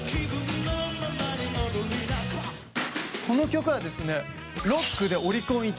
この曲はですね